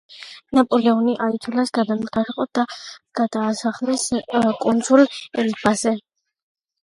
ნაპოლეონი აიძულეს გადამდგარიყო და გადაასახლეს კუნძულ ელბაზე.